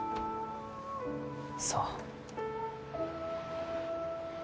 そう。